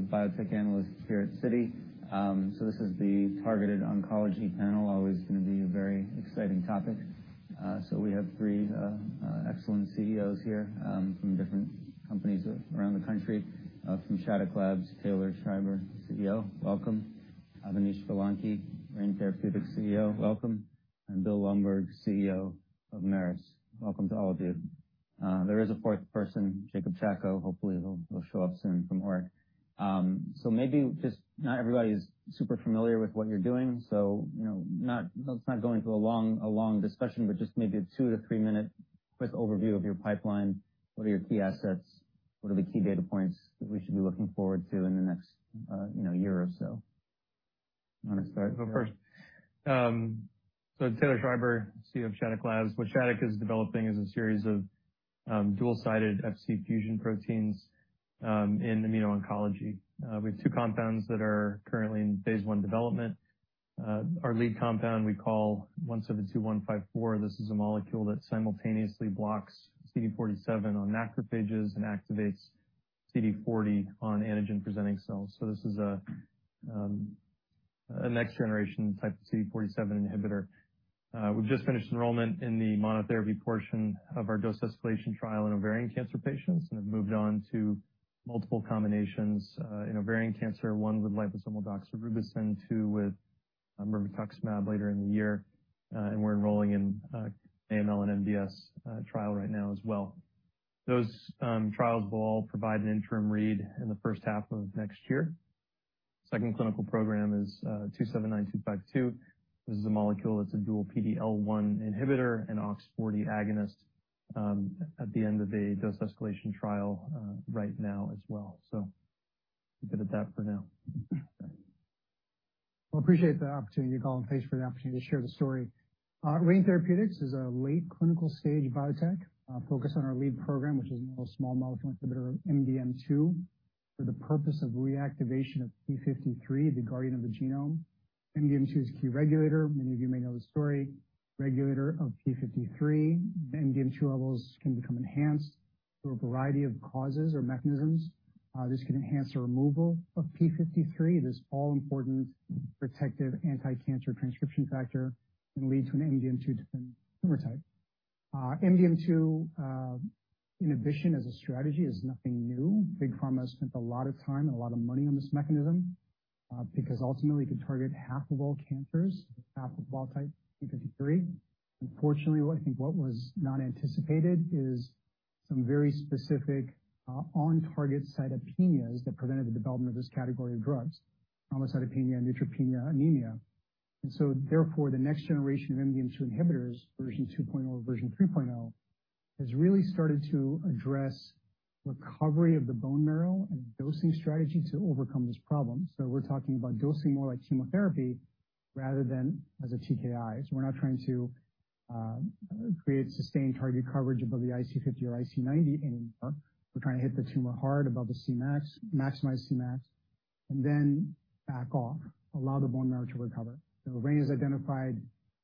One of the biotech analysts here at Citi. This is the targeted oncology panel, always gonna be a very exciting topic. We have three uh excellent CEOs hereand from different companies around the country. From Shattuck Labs, Taylor Schreiber, CEO, welcome. Avanish Vellanki, Rain Therapeutics CEO, welcome. And Bill Lundberg, CEO of Merus. Welcome to all of you. There is a fourth person, Jacob Chacko. Hopefully he'll show up soon from work. Maybe not everybody is super familiar with what you're doing, you know, let's not go into a long discussion, but just maybe a 2-3-minute quick overview of your pipeline. What are your key assets? What are the key data points that we should be looking forward to in the next uh year or so? You wanna start? Go first. Um Taylor Schreiber, CEO of Shattuck Labs. What Shattuck is developing is a series of dual-sided Fc fusion proteins in immuno-oncology. We have two compounds that are currently in phase I development. Our lead compound, we call 172154. This is a molecule that simultaneously blocks CD47 on macrophages and activates CD40 on antigen-presenting cells. This is a um next-generation-type CD47 inhibitor. Uh we've just finished enrollment in the monotherapy portion of our dose escalation trial in ovarian cancer patients and have moved on to multiple combinations in ovarian cancer, one with liposomal doxorubicin, two with nivolumab later in the year. We're enrolling in AML and MDS trial right now as well. Those trials will all provide an interim read in the first half of next year. Second clinical program is SL-279252. This is a molecule that's a dual PD-L1 inhibitor and OX40 agonist at the end of a dose escalation trial uh right now as well. We'll leave it at that for now. Well, I appreciate the opportunity to call and thanks for the opportunity to share the story. Rain Therapeutics is a late clinical stage biotech, focused on our lead program, which is an oral small molecule inhibitor, MDM2, for the purpose of reactivation of p53, the guardian of the genome. MDM2 is a key regulator, many of you may know the story, regulator of p53. MDM2 levels can become enhanced through a variety of causes or mechanisms. This can enhance the removal of p53, this all-important protective anti-cancer transcription factor, and lead to an MDM2 different tumor type. MDM2, in addition, as a strategy, is nothing new. Big Pharma spent a lot of time and a lot of money on this mechanism, because ultimately it could target half of all cancers, half of all type p53. Unfortunately, what I think was not anticipated is some very specific, on target cytopenias that prevented the development of this category of drugs, thrombocytopenia, neutropenia, anemia. Therefore, the next generation of MDM2 inhibitors, version 2.0 or version 3.0, has really started to address recovery of the bone marrow and dosing strategy to overcome this problem. We're talking about dosing more like chemotherapy rather than as a TKI. We're not trying to create sustained target coverage above the IC50 or IC90 anymore. We're trying to hit the tumor hard above the Cmax, maximize Cmax, and then back off, allow the bone marrow to recover. Rain has identified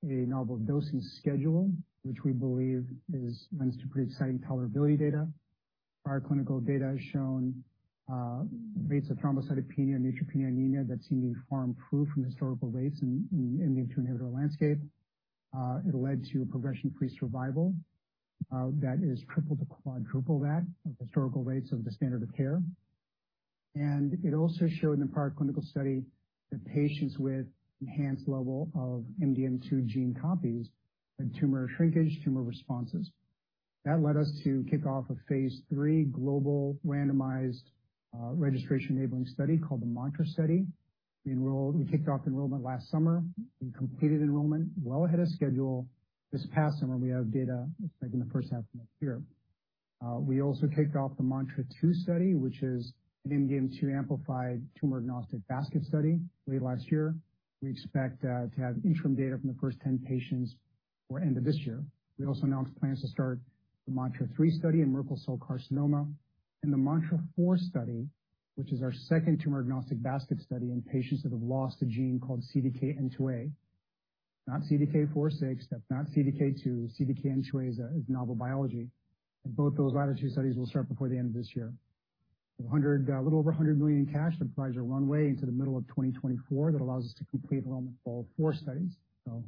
a novel dosing schedule, which we believe runs to pretty exciting tolerability data. Our clinical data has shown uh rates of thrombocytopenia, neutropenia, anemia that seem to be far improved from historical rates in the MDM2 inhibitor landscape. Uh it led to a progression-free survival that is triple to quadruple that of historical rates of the standard of care and it also showed in the prior clinical study that patients with enhanced level of MDM2 gene copies had tumor shrinkage, tumor responses. That led us to kick off a phase III global randomized registration enabling study called the MANTRA study. We kicked off enrollment last summer. We completed enrollment well ahead of schedule this past summer. We have data, I think in the first half of next year. We also kicked off the MANTRA-2 study, which is an MDM2 amplified tumor-agnostic basket study late last year. We expect to have interim data from the first 10 patients for end of this year. We also announced plans to start the MANTRA-3 study in Merkel cell carcinoma and the MANTRA-4 study, which is our second tumor-agnostic basket study in patients that have lost a gene called CDKN2A, not CDK4/6, that's not CDK2. CDKN2A is novel biology, and both those latter two studies will start before the end of this year. $100, a little over $100 million in cash to provide our runway into the middle of 2024. That allows us to complete enrollment for all four studies. In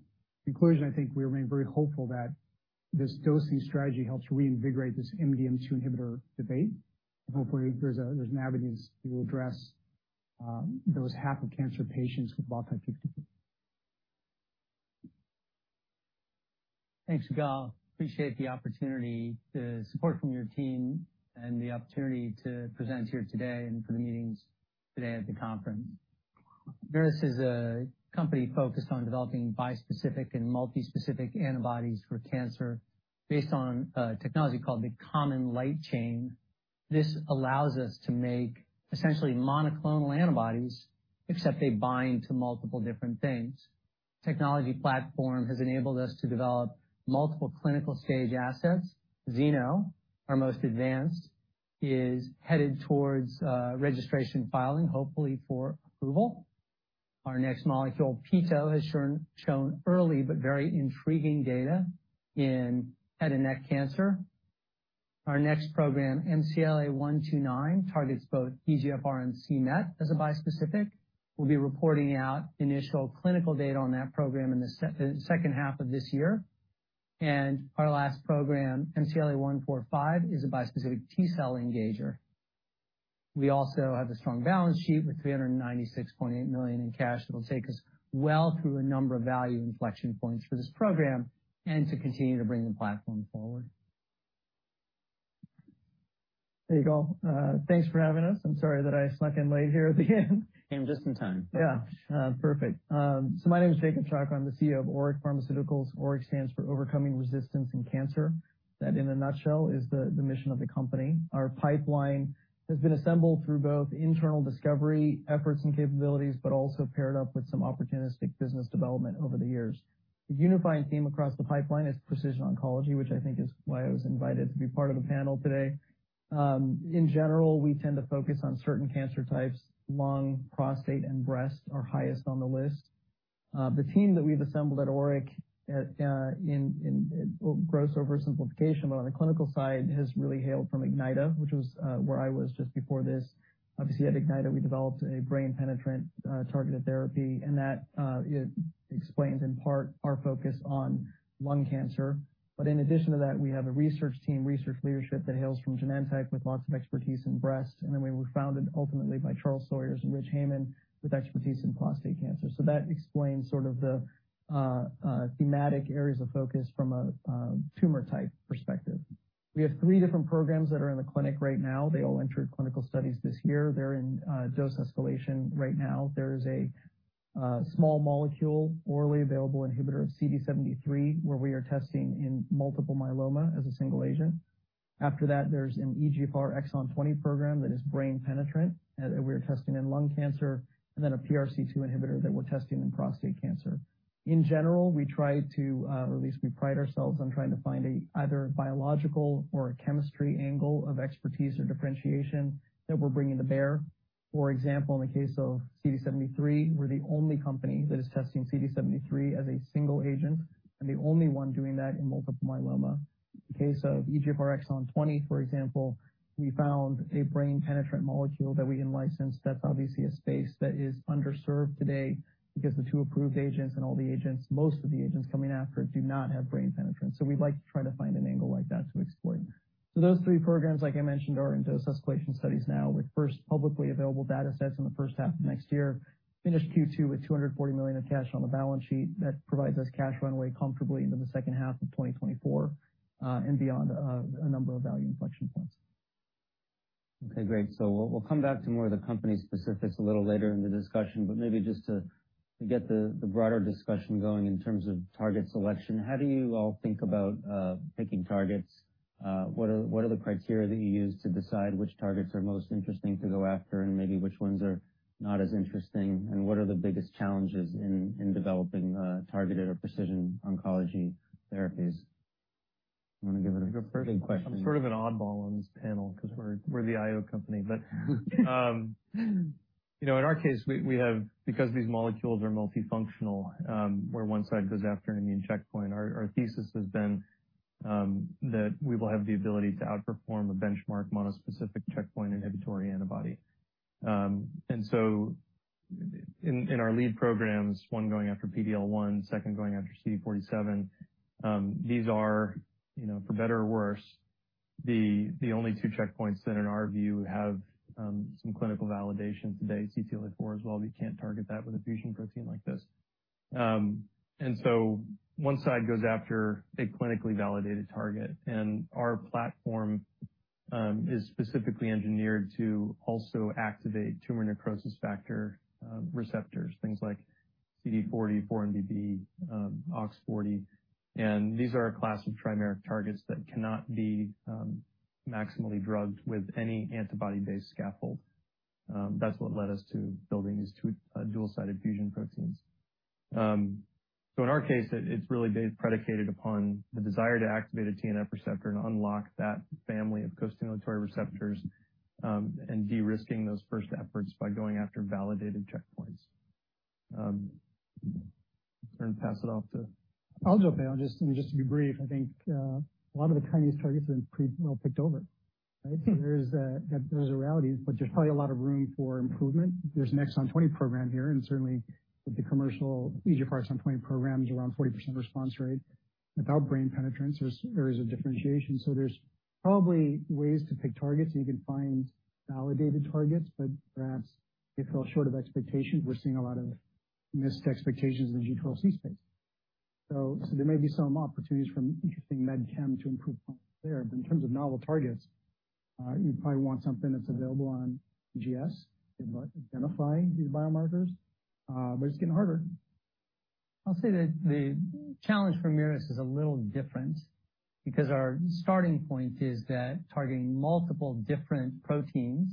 conclusion, I think we remain very hopeful that this dosing strategy helps reinvigorate this MDM2 inhibitor debate. Hopefully, there's an avenue to address uh those half of cancer patients with wild-type p53. Thanks, Gal. Appreciate the opportunity, the support from your team and the opportunity to present here today and for the meetings today at the conference. Merus is a company focused on developing bispecific and multispecific antibodies for cancer based on a technology called the common light chain. This allows us to make essentially monoclonal antibodies, except they bind to multiple different things. Technology platform has enabled us to develop multiple clinical stage assets. Zeno, our most advanced, is headed towards registration filing, hopefully for approval. Our next molecule, Peto, has shown early but very intriguing data in head and neck cancer. Our next program, MCLA-129, targets both EGFR and c-Met as a bispecific. We'll be reporting out initial clinical data on that program in the second half of this year. Our last program, MCLA-145, is a bispecific T-cell engager. We also have a strong balance sheet with $396.8 million in cash that will take us well through a number of value inflection points for this program and to continue to bring the platform forward. There you go. Thanks for having us. I'm sorry that I snuck in late here at the end. Came just in time. My name is Jacob Chacko. I'm the CEO of ORIC Pharmaceuticals. ORIC stands for Overcoming Resistance in Cancer. That, in a nutshell, is the mission of the company. Our pipeline has been assembled through both internal discovery efforts and capabilities, but also paired up with some opportunistic business development over the years. The unifying theme across the pipeline is precision oncology, which I think is why I was invited to be part of the panel today. Um in general, we tend to focus on certain cancer types, lung, prostate, and breast are highest on the list. The team that we've assembled at ORIC, in, well, gross oversimplification, but on the clinical side, has really hailed from Ignyta, which was where I was just before this. Obviously, at Ignyta, we developed a brain penetrant targeted therapy, and that it explains in part our focus on lung cancer. In addition to that, we have a research team, research leadership that hails from Genentech with lots of expertise in breast. Then we were founded ultimately by Charles Sawyers and Rich Heyman, with expertise in prostate cancer. That explains sort of the uh thematic areas of focus from uh a tumor type perspective. We have three different programs that are in the clinic right now. They all entered clinical studies this year. They're in dose escalation right now. There is a small molecule orally available inhibitor of CD73, where we are testing in multiple myeloma as a single agent. After that, there's an EGFR Exon 20 program that is brain penetrant, that we're testing in lung cancer, and then a PRC2 inhibitor that we're testing in prostate cancer. In general, we try to, or at least we pride ourselves on trying to find either a biological or a chemistry angle of expertise or differentiation that we're bringing to bear. For example, in the case of CD73, we're the only company that is testing CD73 as a single agent and the only one doing that in multiple myeloma. In case of EGFR Exon 20, for example, we found a brain penetrant molecule that we then licensed. That's obviously a space that is underserved today because the two approved agents and all the agents, most of the agents coming after it do not have brain penetrance. We'd like to try to find an angle like that to explore. Those three programs, like I mentioned, are in dose escalation studies now with first publicly available data sets in the first half of next year. Finished Q2 with $240 million of cash on the balance sheet. That provides us cash runway comfortably into the second half of 2024 and beyond, a number of value inflection points. Okay, great. We'll come back to more of the company specifics a little later in the discussion, but maybe just to get the broader discussion going in terms of target selection, how do you all think about picking targets? What are the criteria that you use to decide which targets are most interesting to go after and maybe which ones are not as interesting? What are the biggest challenges in developing uh targeted or precision oncology therapies? You wanna give it a That's a perfect question. I'm sort of an oddball on this panel 'cause we're the IO company. You know, in our case, we have because these molecules are multifunctional, where one side goes after an immune checkpoint, our thesis has been that we will have the ability to outperform a benchmark monospecific checkpoint inhibitory antibody. Um and so in our lead programs, one going after PD-L1, second going after CD47, these are, you know, for better or worse, the only two checkpoints that in our view have um some clinical validation today. CTLA-4 as well, we can't target that with a fusion protein like this. Um and so one side goes after a clinically validated target, and our platform is specifically engineered to also activate tumor necrosis factor receptors, things like CD40, 4-1BB, OX40. And these are a class of primary targets that cannot be maximally drugged with any antibody-based scaffold. That's what led us to building these two dual-sided fusion proteins. Um so in our case, it's really been predicated upon the desire to activate a TNF receptor and unlock that family of costimulatory receptors, and de-risking those first efforts by going after validated checkpoints. I'm gonna pass it off to- I'll jump in. I'll just and just to be brief, I think, a lot of the Chinese targets have been pretty well picked over, right? There's a reality, but there's probably a lot of room for improvement. There's an Exon 20 program here, and certainly with the commercial EGFR Exon 20 program is around 40% response rate. Without brain penetration, there is a differentiation. There's probably ways to pick targets, and you can find validated targets, but perhaps they fell short of expectations. We're seeing a lot of missed expectations in G12C space. So there may be some opportunities from interesting Med Chem to improve points there. In terms of novel targets, you'd probably want something that's available on NGS, identify these biomarkers, uh but it's getting harder. I'll say that the challenge for Merus is a little different because our starting point is that targeting multiple different proteins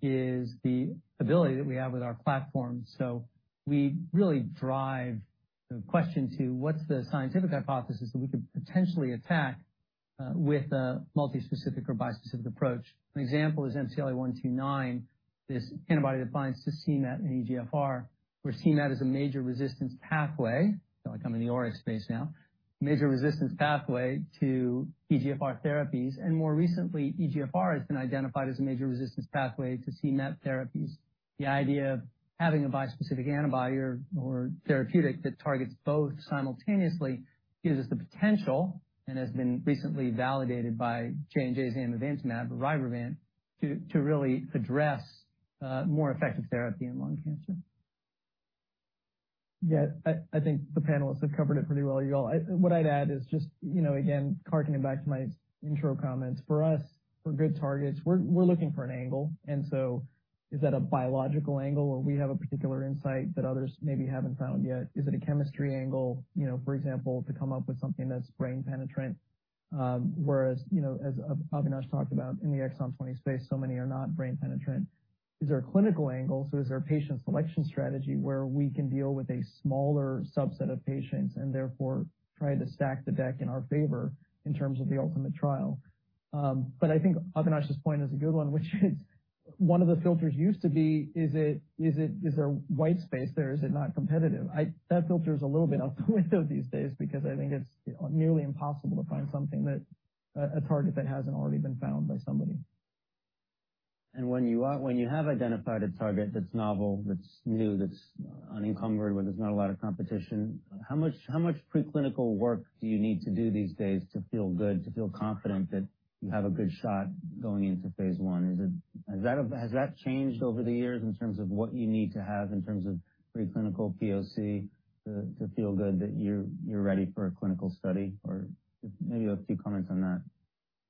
is the ability that we have with our platform. We really drive the question to what's the scientific hypothesis that we could potentially attack with a multi-specific or bispecific approach. An example is MCLA-129. This antibody that binds to c-Met and EGFR. Where c-Met is a major resistance pathway, feel like I'm in the RAS space now, major resistance pathway to EGFR therapies, and more recently, EGFR has been identified as a major resistance pathway to c-Met therapies. The idea of having a bispecific antibody or therapeutic that targets both simultaneously gives us the potential, and has been recently validated by J&J's Amivantamab, or Rybrevant, to really address more effective therapy in lung cancer. Yeah, I think the panelists have covered it pretty well, you all. What I'd add is just, you know, again, harkening back to my short intro comments, for us, for good targets, we're looking for an angle, and so is that a biological angle where we have a particular insight that others maybe haven't found yet? Is it a chemistry angle, you know, for example, to come up with something that's brain penetrant? Whereas, you know, as Avanish talked about in the Exon 20 space, so many are not brain penetrant. Is there a clinical angle? So is there a patient selection strategy where we can deal with a smaller subset of patients and therefore try to stack the deck in our favor in terms of the ultimate trial? Um but I think Avanish's point is a good one, which is one of the filters used to be, is it, is there white space there? Is it not competitive? That filter is a little bit out the window these days because I think it's nearly impossible to find something that, a target that hasn't already been found by somebody. When you have identified a target that's novel, that's new, that's unencumbered, where there's not a lot of competition, how much preclinical work do you need to do these days to feel good, to feel confident that you have a good shot going into phase I? Has that changed over the years in terms of what you need to have in terms of preclinical POC to feel good that you're ready for a clinical study? Or maybe a few comments on that.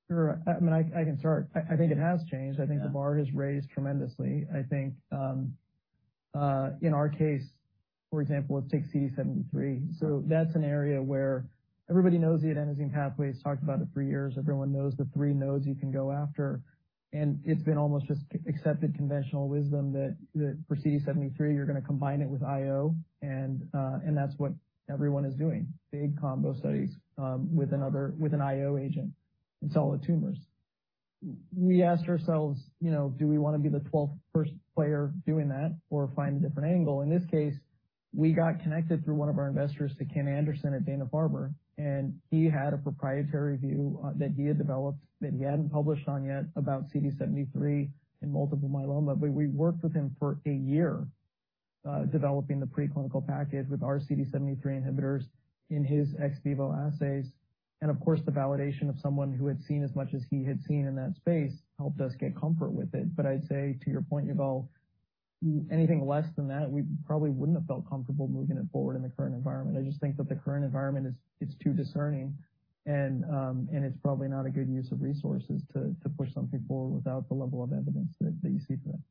Sure. I mean, I can start. I think it has changed. I think the bar is raised tremendously. I think in our case, for example, with CD73, that's an area where everybody knows the adenosine pathway. It's been talked about for years. Everyone knows the three nodes you can go after, and it's been almost just accepted conventional wisdom that for CD73, you're gonna combine it with IO and that's what everyone is doing, big combo studies with an IO agent in solid tumors. We asked ourselves, you know, "Do we wanna be the twelfth first player doing that or find a different angle?" In this case, we got connected through one of our investors to Ken Anderson at Dana-Farber, and he had a proprietary view that he had developed that he hadn't published on yet about CD73 in multiple myeloma. We worked with him for a year developing the preclinical package with our CD73 inhibitors in his ex vivo assays. Of course, the validation of someone who had seen as much as he had seen in that space helped us get comfort with it. I'd say to your point, Yuval, anything less than that, we probably wouldn't have felt comfortable moving it forward in the current environment. I just think that the current environment is too discerning and it's probably not a good use of resources to push something forward without the level of evidence that you see for that.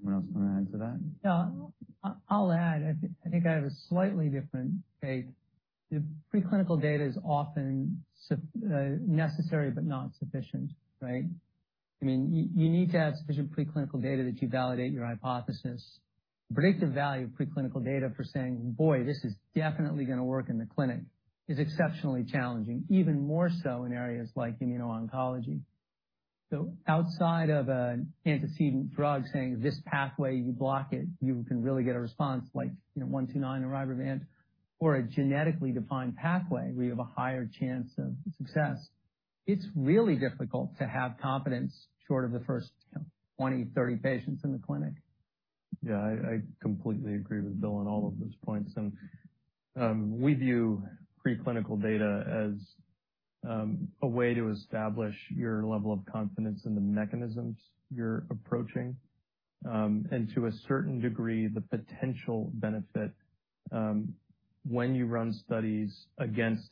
Anyone else wanna add to that? Yeah. I'll add, I think I have a slightly different take. The preclinical data is often necessary but not sufficient, right? I mean, you need to have sufficient preclinical data that you validate your hypothesis. Predictive value of preclinical data for saying, "Boy, this is definitely gonna work in the clinic," is exceptionally challenging, even more so in areas like immuno-oncology. Outside of an antecedent drug saying, "This pathway, you block it, you can really get a response," like, you know, MCLA-129 or Rybrevant or a genetically defined pathway where you have a higher chance of success, it's really difficult to have confidence short of the first, you know, 20, 30 patients in the clinic. Yeah. I completely agree with Bill on all of those points. We view preclinical data as a way to establish your level of confidence in the mechanisms you're approaching, and to a certain degree, the potential benefit, when you run studies against,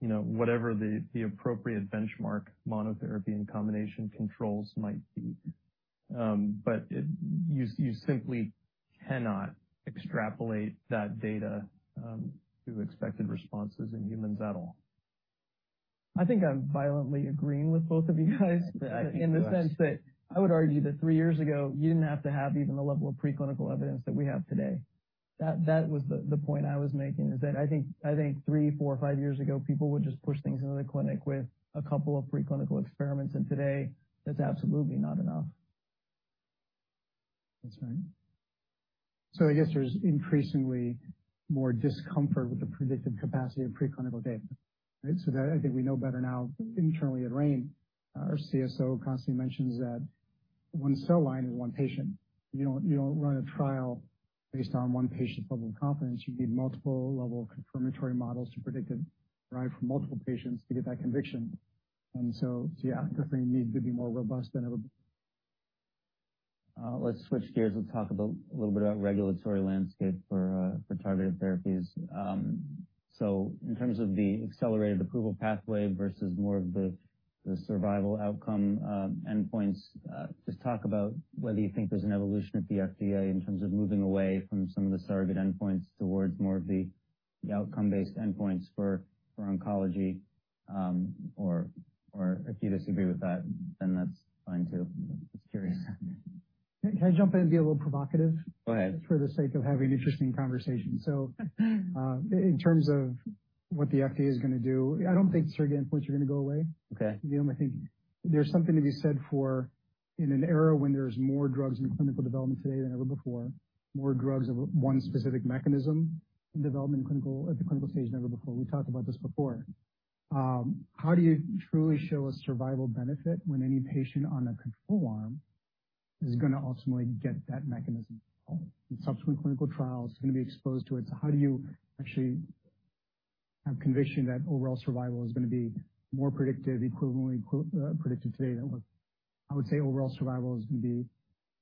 you know, whatever the appropriate benchmark monotherapy and combination controls might be. You simply cannot extrapolate that data to expected responses in humans at all. I think I'm violently agreeing with both of you guys in the sense that I would argue that three years ago, you didn't have to have even the level of preclinical evidence that we have today. That was the point I was making is that I think 3, 4, 5 years ago, people would just push things into the clinic with a couple of preclinical experiments, and today that's absolutely not enough. That's right. I guess there's increasingly more discomfort with the predictive capacity of preclinical data, right? I think we know better now internally at Rain. Our CSO constantly mentions that one cell line is one patient. You don't run a trial based on one patient's level of confidence. You need multiple level confirmatory models to predict or derive from multiple patients to get that conviction. Yeah, I think we need to be more robust than ever. Let's switch gears. Let's talk a little bit about regulatory landscape for targeted therapies. In terms of the accelerated approval pathway versus more of the survival outcome endpoints, just talk about whether you think there's an evolution at the FDA in terms of moving away from some of the surrogate endpoints towards more of the outcome-based endpoints for oncology. Or if you disagree with that, then that's fine too. Just curious. Can I jump in and be a little provocative? Go ahead. For the sake of having interesting conversations. In terms of what the FDA is going to do, I don't think surrogate endpoints are going to go away. Okay. I think there's something to be said for in an era when there's more drugs in clinical development today than ever before, more drugs of one specific mechanism in development, at the clinical stage than ever before. We talked about this before. How do you truly show a survival benefit when any patient on a control arm is going to ultimately get that mechanism? In subsequent clinical trials, it's going to be exposed to it. How do you actually have conviction that overall survival is going to be more predictive, equivalently predicted today? I would say overall survival is going to be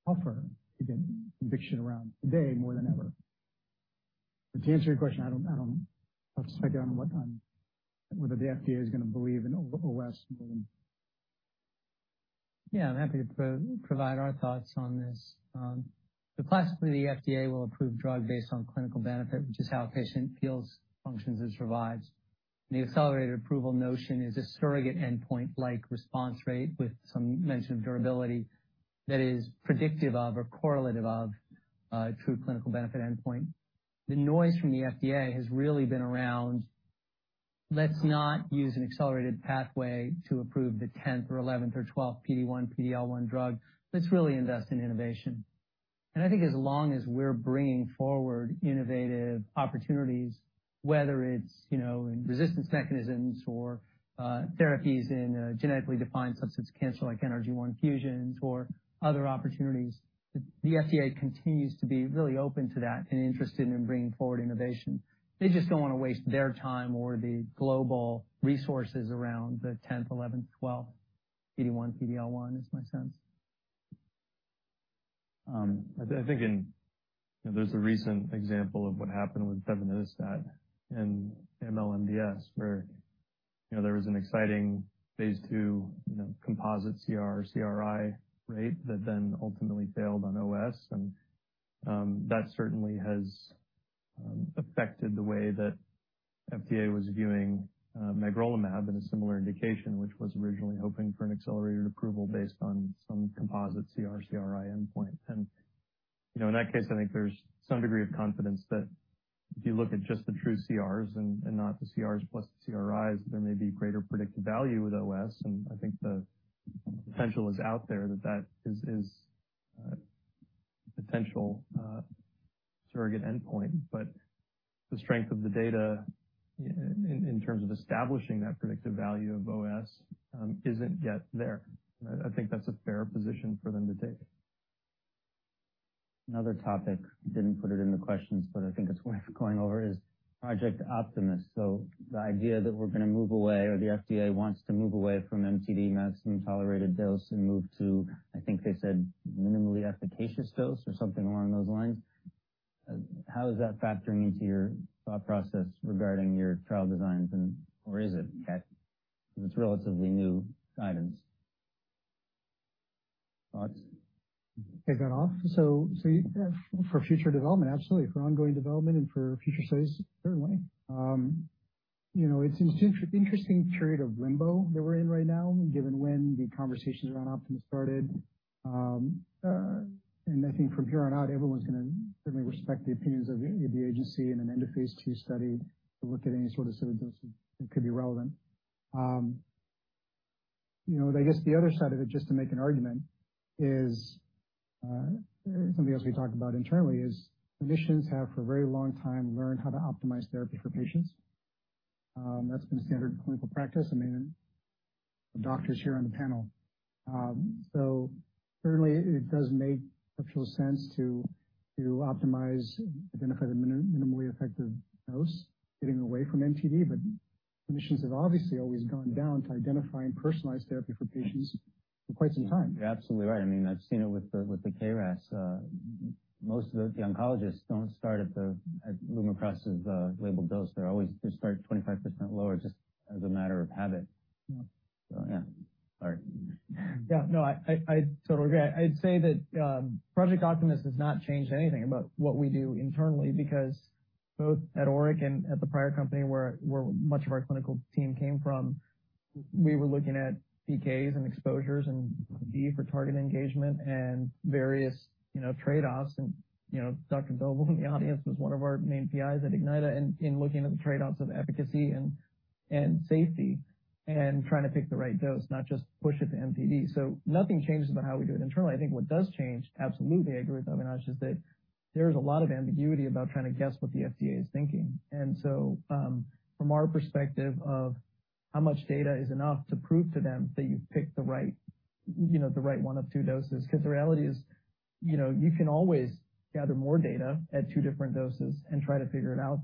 tougher to get conviction around today more than ever. But to answer your question, I don't. I'll just check in on whether the FDA is going to believe in OS more than. Yeah, I'm happy to provide our thoughts on this. Classically, the FDA will approve drug based on clinical benefit, which is how a patient feels, functions, and survives. The accelerated approval notion is a surrogate endpoint like response rate with some mention of durability that is predictive of or correlative of a true clinical benefit endpoint. The noise from the FDA has really been around, let's not use an accelerated pathway to approve the tenth or eleventh or twelfth PD-1, PD-L1 drug. Let's really invest in innovation. I think as long as we're bringing forward innovative opportunities, whether it's, you know, in resistance mechanisms or, therapies in, genetically defined subset cancer like NRG1 fusions or other opportunities, the FDA continues to be really open to that and interested in bringing forward innovation. They just don't want to waste their time or the global resources around the 10th, 11th, 12th PD-1, PD-L1, is my sense. I think there's a recent example of what happened with Belinostat and MDS, where you know there was an exciting phase II composite CR, CRi rate that then ultimately failed on OS. That certainly has affected the way that FDA was viewing Magrolimab in a similar indication, which was originally hoping for an accelerated approval based on some composite CR, CRi endpoint. You know in that case I think there's some degree of confidence that if you look at just the true CRs and not the CRs plus the CRis there may be greater predictive value with OS. I think the potential is out there that that is potential surrogate endpoint. The strength of the data in terms of establishing that predictive value of OS isn't yet there. I think that's a fair position for them to take. Another topic, didn't put it in the questions, but I think it's worth going over, is Project Optimus. The idea that we're going to move away or the FDA wants to move away from MTD, maximum tolerated dose, and move to, I think they said, minimally efficacious dose or something along those lines. How is that factoring into your thought process regarding your trial designs and/or is it, Cat? Because it's relatively new guidance. Thoughts? Take that off. For future development, absolutely. For ongoing development and for future studies, certainly. You know, it's an interesting period of limbo that we're in right now, given when the conversations around Optimus started. I think from here on out, everyone's gonna certainly respect the opinions of the agency in an end of phase II study to look at any sort of optimal dose that could be relevant. You know, I guess the other side of it, just to make an argument, is something else we talked about internally is physicians have for a very long time learned how to optimize therapy for patients. That's been standard clinical practice. I mean, the doctors here on the panel. Certainly it does make actual sense to optimize, identify the minimally effective dose, getting away from MTD. Physicians have obviously always gone down to identify and personalize therapy for patients for quite some time. You're absolutely right. I mean, I've seen it with the KRAS. Most of the oncologists don't start at Lumakras' labeled dose. They start 25% lower just as a matter of habit. Yeah. Yeah. All right. Yeah, no, I totally agree. I'd say that Project Optimus has not changed anything about what we do internally, because both at ORIC and at the prior company where much of our clinical team came from, we were looking at PKs and exposures and PD for target engagement and various, you know, trade-offs. You know, Dr. Bill in the audience was one of our main PIs at Ignyta in looking at the trade-offs of efficacy and safety and trying to pick the right dose, not just push it to MTD. Nothing changes about how we do it internally. I think what does change, absolutely, I agree with Avanish, is that there's a lot of ambiguity about trying to guess what the FDA is thinking. From our perspective of how much data is enough to prove to them that you've picked the right, you know, the right one of two doses. 'Cause the reality is, you know, you can always gather more data at two different doses and try to figure it out.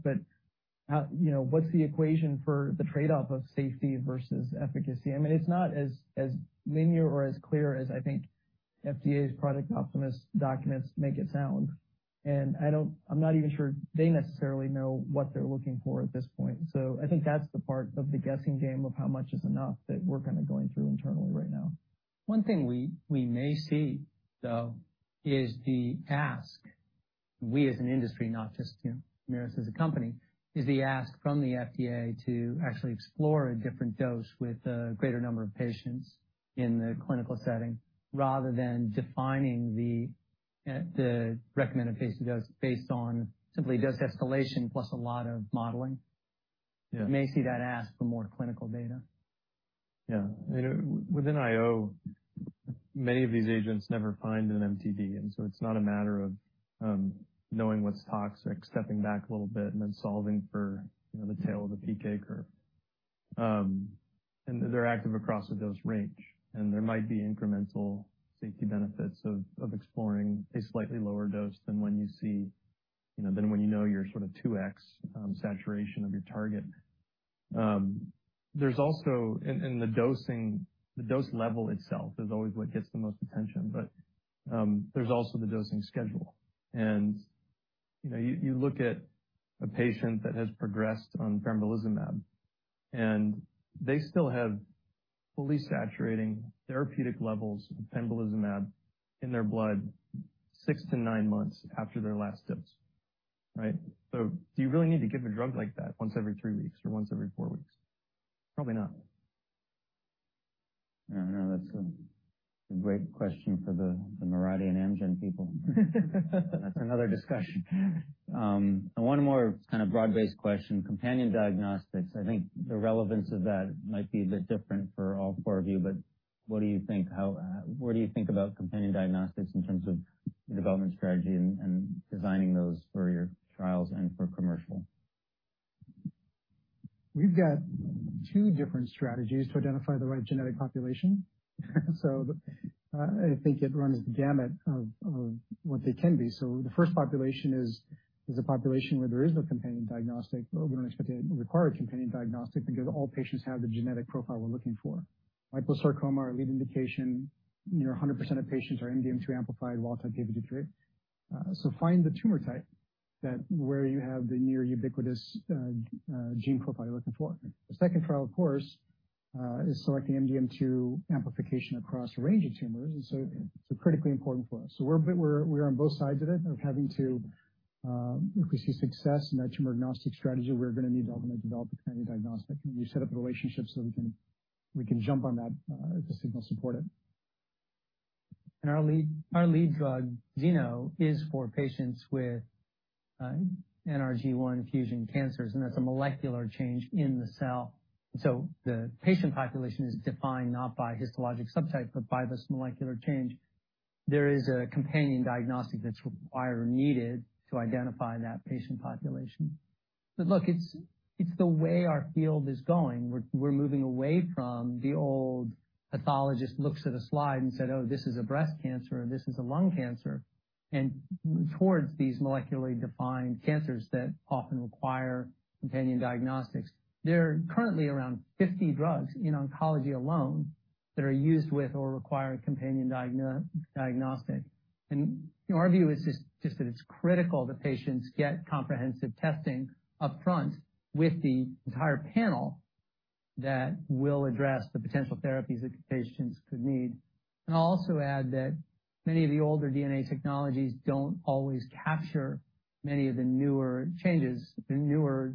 How you know, what's the equation for the trade-off of safety versus efficacy? I mean, it's not as linear or as clear as I think FDA's Project Optimus documents make it sound. I'm not even sure they necessarily know what they're looking for at this point. I think that's the part of the guessing game of how much is enough that we're kind of going through internally right now. One thing we may see, though, is the ask- We as an industry, not just, you know, Mirati as a company, is the ask from the FDA to actually explore a different dose with a greater number of patients in the clinical setting, rather than defining the recommended patient dose based on simply dose escalation plus a lot of modeling. Yeah. You may see the ask for more clinical data. Yeah. You know, within IO, many of these agents never find an MTD, and so it's not a matter of knowing what's toxic, stepping back a little bit, and then solving for, you know, the tail of the PK curve. And they're active across a dose range, and there might be incremental safety benefits of exploring a slightly lower dose than when you know you're sort of 2x saturation of your target. There's also in the dosing, the dose level itself is always what gets the most attention, but there's also the dosing schedule. You know, you look at a patient that has progressed on Pembrolizumab, and they still have fully saturating therapeutic levels of Pembrolizumab in their blood 6-9 months after their last dose, right? Do you really need to give a drug like that once every three weeks or once every four weeks? Probably not. Yeah, I know that's a great question for the Mirati and Amgen people. That's another discussion. One more kind of broad-based question, companion diagnostics. I think the relevance of that might be a bit different for all four of you, but what do you think? What do you think about companion diagnostics in terms of your development strategy and designing those for your trials and for commercial? We've got two different strategies to identify the right genetic population. I think it runs the gamut of what they can be. The first population is a population where there is no companion diagnostic. We don't expect it to require a companion diagnostic because all patients have the genetic profile we're looking for. Liposarcoma, our lead indication, you know, 100% of patients are MDM2 amplified wild-type p53. Find the tumor type that where you have the near ubiquitous gene profile you're looking for. The second trial, of course, is selecting MDM2 amplification across a range of tumors and critically important for us. We're a bit on both sides of it, of having to, if we see success in that tumor-agnostic strategy, we're gonna need to ultimately develop a companion diagnostic. We set up the relationships so we can jump on that if the signals support it. Our lead drug Zeno is for patients with NRG1 fusion cancers, and that's a molecular change in the cell. The patient population is defined not by histologic subtype, but by this molecular change. There is a companion diagnostic that's required or needed to identify that patient population. Look, it's the way our field is going. We're moving away from the old pathologist looks at a slide and said, "Oh, this is a breast cancer, or this is a lung cancer," and towards these molecularly defined cancers that often require companion diagnostics. There are currently around 50 drugs in oncology alone that are used with or require a companion diagnostic. Our view is just that it's critical that patients get comprehensive testing up front with the entire panel that will address the potential therapies that patients could need. I'll also add that many of the older DNA technologies don't always capture many of the newer changes, the newer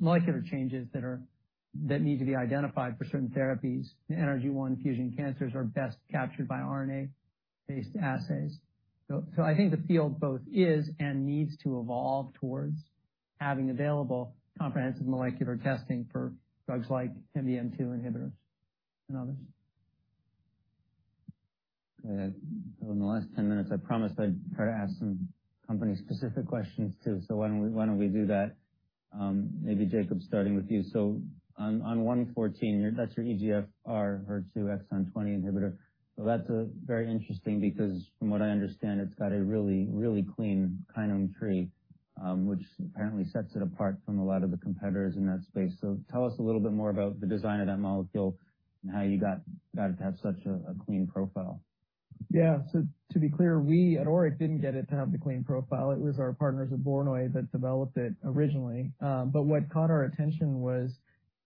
molecular changes that need to be identified for certain therapies. The NRG1 fusion cancers are best captured by RNA-based assays. I think the field both is and needs to evolve towards having available comprehensive molecular testing for drugs like MDM2 inhibitors and others. Okay. In the last 10 minutes, I promised I'd try to ask some company-specific questions too. Why don't we do that? Maybe Jacob, starting with you. On ORIC-114, that's your EGFR/HER2 exon 20 inhibitor. That's very interesting because from what I understand, it's got a really, really clean kinome tree, which apparently sets it apart from a lot of the competitors in that space. Tell us a little bit more about the design of that molecule and how you got it to have such a clean profile. Yeah. To be clear, we at ORIC didn't get it to have the clean profile. It was our partners at Voronoi that developed it originally. What caught our attention was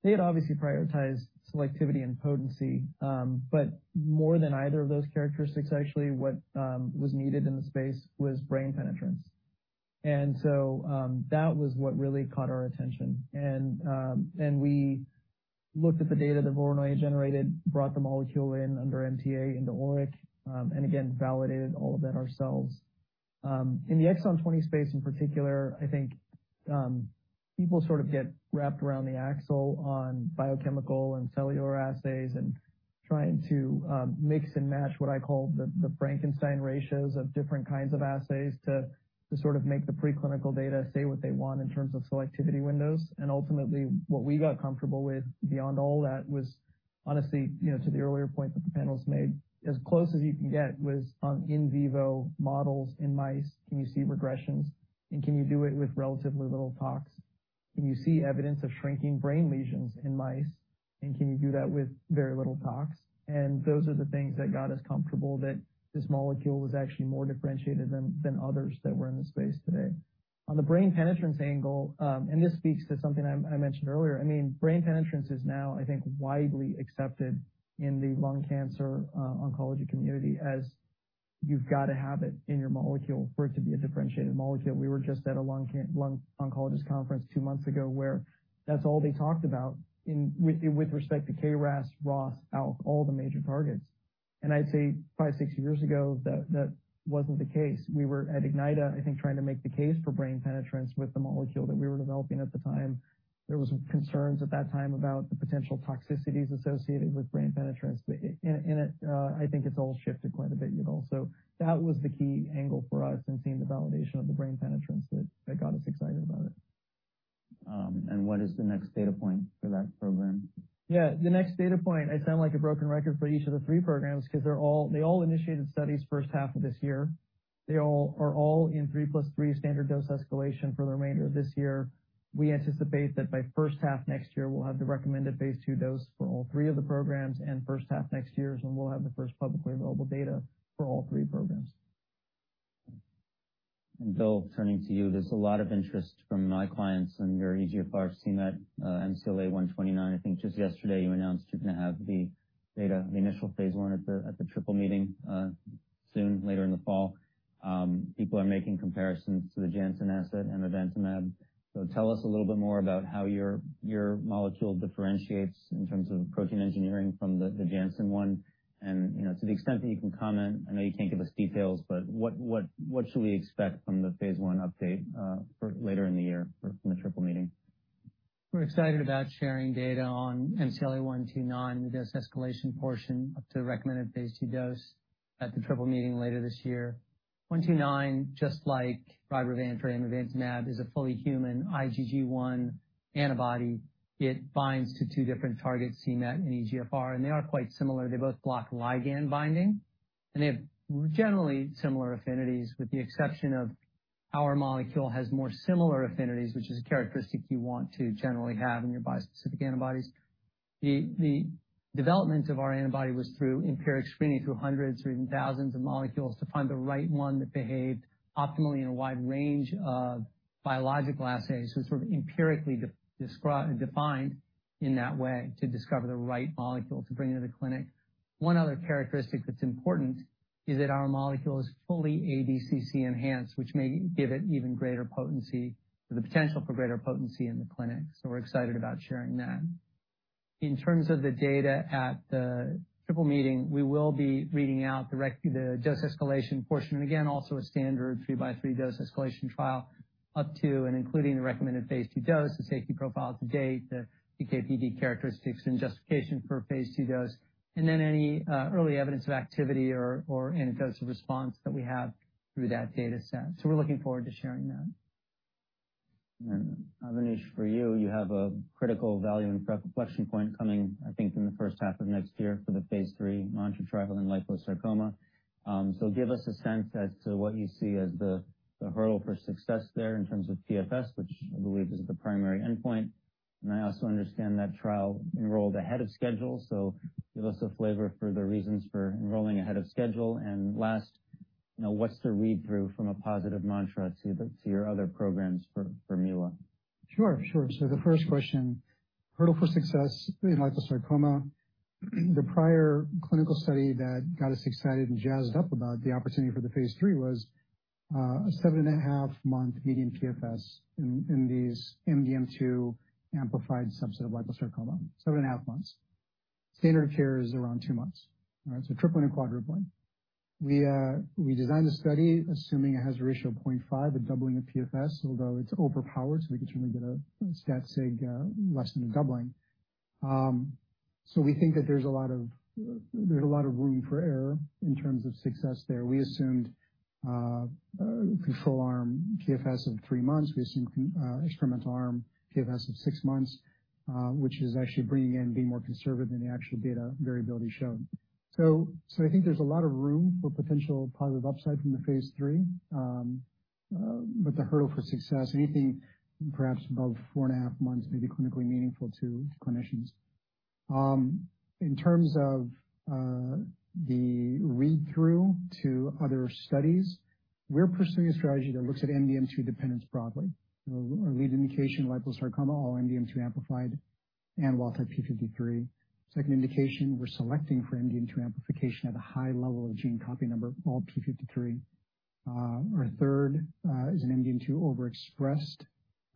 they had obviously prioritized selectivity and potency, but more than either of those characteristics actually, what was needed in the space was brain penetrance. That was what really caught our attention. We looked at the data that Voronoi generated, brought the molecule in under MTA into ORIC, and again, validated all of that ourselves. In the Exon 20 space in particular, I think, people sort of get wrapped around the axle on biochemical and cellular assays and trying to mix and match what I call the Frankenstein ratios of different kinds of assays to sort of make the preclinical data say what they want in terms of selectivity windows. Ultimately, what we got comfortable with beyond all that was honestly, you know, to the earlier point that the panel's made, as close as you can get was on in vivo models in mice. Can you see regressions and can you do it with relatively little tox? Can you see evidence of shrinking brain lesions in mice, and can you do that with very little tox? Those are the things that got us comfortable that this molecule was actually more differentiated than others that were in the space today. On the brain penetrance angle, and this speaks to something I mentioned earlier, I mean, brain penetrance is now, I think, widely accepted in the lung cancer oncology community as you've got to have it in your molecule for it to be a differentiated molecule. We were just at a lung oncologist conference two months ago, where that's all they talked about with respect to KRAS, ROS, ALK, all the major targets. I'd say 5, 6 years ago, that wasn't the case. We were at Ignyta, I think, trying to make the case for brain penetrance with the molecule that we were developing at the time. There was concerns at that time about the potential toxicities associated with brain penetrance. I think it's all shifted quite a bit, Ugur. That was the key angle for us in seeing the validation of the brain penetrance that got us excited about it. What is the next data point for that program? Yeah. The next data point, I sound like a broken record for each of the three programs 'cause they all initiated studies first half of this year. They are all in three plus three standard dose escalation for the remainder of this year. We anticipate that by first half next year, we'll have the recommended phase II dose for all three of the programs, and first half next year is when we'll have the first publicly available data for all three programs. Bill, turning to you, there's a lot of interest from my clients on your EGFR c-MET, MCLA-129. I think just yesterday, you announced you're gonna have the data, the initial phase I at the SITC meeting, soon, later in the fall. People are making comparisons to the Janssen asset and Amivantamab. Tell us a little bit more about how your molecule differentiates in terms of protein engineering from the Janssen one. You know, to the extent that you can comment, I know you can't give us details, but what should we expect from the phase I update for later in the year from the SITC meeting? We're excited about sharing data on MCLA-129, the dose escalation portion up to the recommended phase II dose at the SITC meeting later this year. 129, just like Rybrevant or Amivantamab, is a fully human IgG1 antibody. It binds to two different targets, c-Met and EGFR, and they are quite similar. They both block ligand binding, and they have generally similar affinities, with the exception of our molecule has more similar affinities, which is a characteristic you want to generally have in your bispecific antibodies. The development of our antibody was through empirical screening through hundreds or even thousands of molecules to find the right one that behaved optimally in a wide range of biological assays. Sort of empirically defined in that way to discover the right molecule to bring into the clinic. One other characteristic that's important is that our molecule is fully ADCC enhanced, which may give it even greater potency or the potential for greater potency in the clinic, so we're excited about sharing that. In terms of the data at the SITC meeting, we will be reading out the dose escalation portion. Again, also a standard 3-by-3 dose escalation trial up to and including the recommended phase II dose, the safety profile to date, the PK/PD characteristics and justification for phase II dose, and then any early evidence of activity or any dose of response that we have through that data set. We're looking forward to sharing that. Avanish, for you have a critical value inflection point coming, I think, in the first half of next year for the phase II MANTRA trial in liposarcoma. Give us a sense as to what you see as the hurdle for success there in terms of PFS, which I believe is the primary endpoint. I also understand that trial enrolled ahead of schedule. Give us a flavor for the reasons for enrolling ahead of schedule. Last, you know, what's the read-through from a positive MANTRA to your other programs for Milademetan? Sure. The first question, hurdle for success in liposarcoma, the prior clinical study that got us excited and jazzed up about the opportunity for the phase III was a 7.5-month median PFS in these MDM2 amplified subset of liposarcoma, 7.5 months. Standard care is around two months. All right? Tripling and quadrupling. We designed a study assuming it has a ratio of 0.5, a doubling of PFS, although it's overpowered, so we can certainly get a stat sig less than a doubling. We think that there's a lot of room for error in terms of success there. We assumed control arm PFS of three months. We assumed experimental arm PFS of six months, which is actually being more conservative than the actual data variability shown. I think there's a lot of room for potential positive upside from the phase III, but the hurdle for success, anything perhaps above 4.5 months may be clinically meaningful to clinicians. In terms of the read-through to other studies, we're pursuing a strategy that looks at MDM2 dependence broadly. You know, our lead indication, liposarcoma, all MDM2-amplified and wild-type p53. Second indication, we're selecting for MDM2 amplification at a high level of gene copy number, all p53. Our third is an MDM2-overexpressed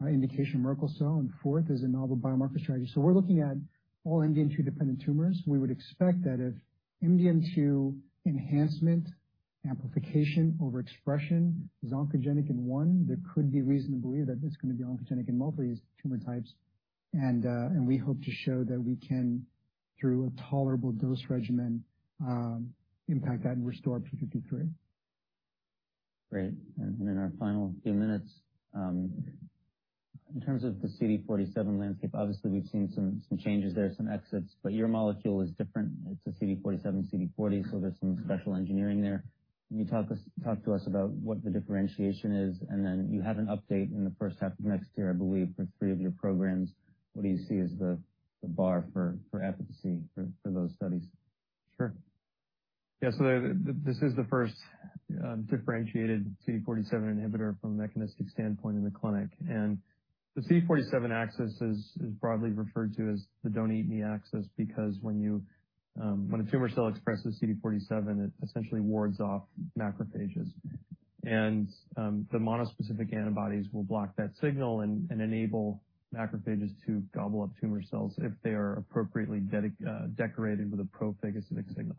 indication Merkel cell, and fourth is a novel biomarker strategy. We're looking at all MDM2-dependent tumors. We would expect that if MDM2 enhancement amplification overexpression is oncogenic in one, there could be reason to believe that it's gonna be oncogenic in multiple tumor types. We hope to show that we can, through a tolerable dose regimen, impact that and restore p53. Great. In our final few minutes, in terms of the CD47 landscape, obviously we've seen some changes there, some exits, but your molecule is different. It's a CD47, CD40, so there's some special engineering there. Can you talk to us about what the differentiation is? Then you have an update in the first half of next year, I believe, for three of your programs. What do you see as the bar for efficacy for those studies? Sure. Yeah. This is the first differentiated CD47 inhibitor from a mechanistic standpoint in the clinic. The CD47 axis is broadly referred to as the don't eat me axis because when a tumor cell expresses CD47, it essentially wards off macrophages. The mono-specific antibodies will block that signal and enable macrophages to gobble up tumor cells if they are appropriately decorated with a pro-phagocytic signal.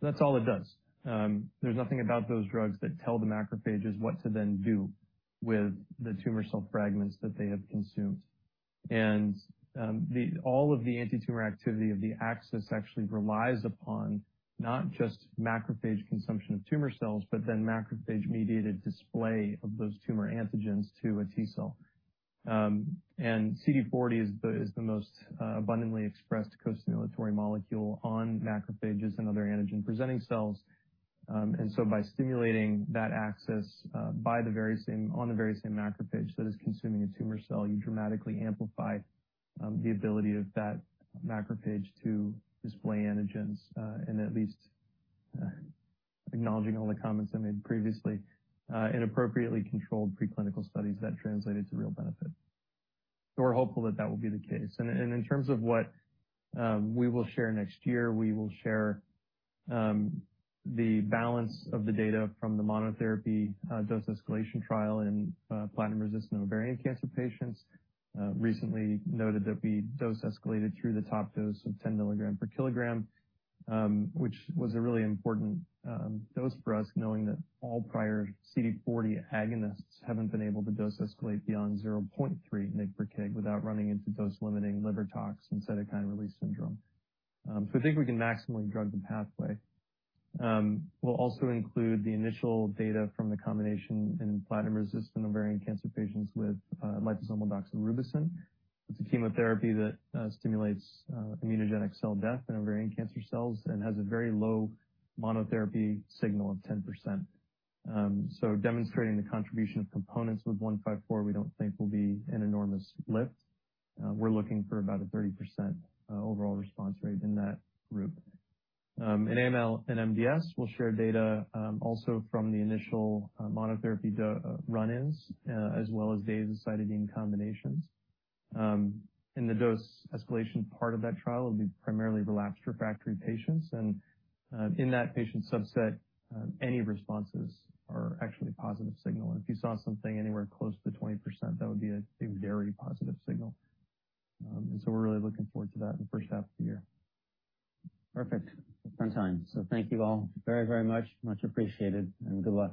That's all it does. There's nothing about those drugs that tell the macrophages what to then do with the tumor cell fragments that they have consumed. All of the antitumor activity of the axis actually relies upon not just macrophage consumption of tumor cells, but then macrophage-mediated display of those tumor antigens to a T cell. CD40 is the most abundantly expressed costimulatory molecule on macrophages and other antigen-presenting cells. By stimulating that axis on the very same macrophage that is consuming a tumor cell, you dramatically amplify the ability of that macrophage to display antigens and at least acknowledging all the comments I made previously in appropriately controlled preclinical studies that translate into real benefit. We're hopeful that will be the case. In terms of what we will share next year, we will share the balance of the data from the monotherapy dose escalation trial in platinum-resistant ovarian cancer patients. Recently noted that we dose escalated through the top dose of 10 mg per kg, which was a really important dose for us, knowing that all prior CD40 agonists haven't been able to dose escalate beyond 0.3 mg per kg without running into dose-limiting liver tox and cytokine release syndrome. I think we can maximally drug the pathway. We'll also include the initial data from the combination in platinum-resistant ovarian cancer patients with liposomal doxorubicin. It's a chemotherapy that stimulates immunogenic cell death in ovarian cancer cells and has a very low monotherapy signal of 10%. Demonstrating the contribution of components with SL-172154 we don't think will be an enormous lift. We're looking for about a 30% overall response rate in that group. In AML and MDS, we'll share data, also from the initial, monotherapy run-ins, as well as data Azacitidine combinations. In the dose escalation part of that trial, it'll be primarily relapsed refractory patients. In that patient subset, any responses are actually a positive signal. If you saw something anywhere close to 20%, that would be a very positive signal. We're really looking forward to that in the first half of the year. Perfect timing. Thank you all very, very much. Much appreciated, and good luck.